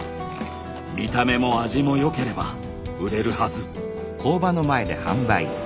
見た目も味も良ければ売れるはず。